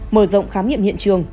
mở rộng khám nghiệm hiện trường